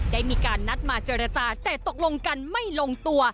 ได้มีการนัดมาเจรจาแต่ตกลงกันไม่ลงตัว